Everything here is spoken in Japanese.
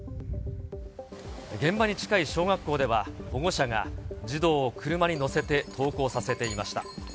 現場に近い小学校では、保護者が児童を車に乗せて登校させていました。